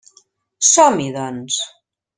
Som-hi, doncs.